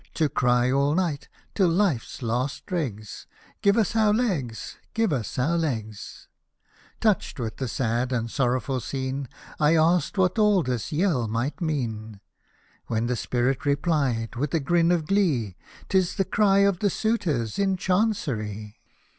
To cry all night, till life's last dregs, " Give us our legs !— give us our legs !" Touched with the sad and sorrowful scene, I asked what all this yell might mean. When the Spirit replied, with a grin of glee, " 'Tis the cry of the Suitors in Chancery